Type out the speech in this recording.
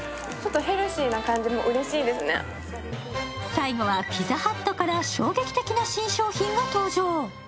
最後はピザハットから衝撃的な新商品が登場。